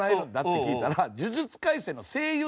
って聞いたら。